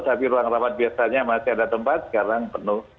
tapi ruang rawat biasanya masih ada tempat sekarang penuh